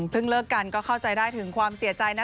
เลิกกันก็เข้าใจได้ถึงความเสียใจนะ